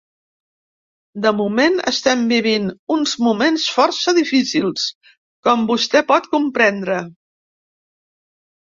De moment estem vivint uns moments força difícils, com vostè pot comprendre.